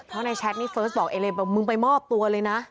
เพราะในแชทนี่เฟิร์สบอกเอเลบอกมึงไปมอบตัวเลยนะ